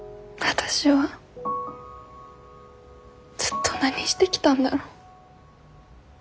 私はずっと何してきたんだろう。